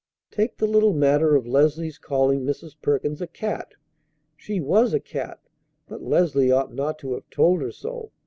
Take the little matter of Leslie's calling Mrs. Perkins a cat. She was a cat, but Leslie ought not to have told her so.